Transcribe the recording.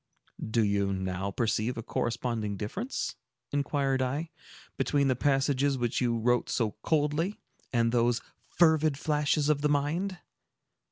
"Do you now perceive a corresponding difference," inquired I, "between the passages which you wrote so coldly, and those fervid flashes of the mind?"